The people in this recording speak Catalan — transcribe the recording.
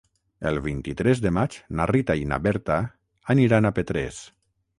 El vint-i-tres de maig na Rita i na Berta aniran a Petrés.